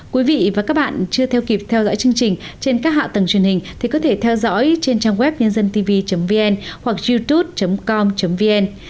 quý vị và các bạn chưa theo kịp theo dõi chương trình trên các hạ tầng truyền hình thì có thể theo dõi trên trang web nhândântv vn hoặc youtube com vn